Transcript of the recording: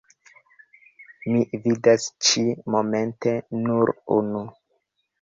Mi vidas ĉi-momente nur unu.